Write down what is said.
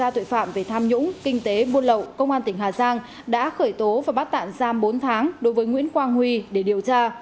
điều tra tội phạm về tham nhũng kinh tế buôn lậu công an tỉnh hà giang đã khởi tố và bắt tạm giam bốn tháng đối với nguyễn quang huy để điều tra